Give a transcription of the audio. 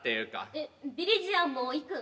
えビリジアンも行くん？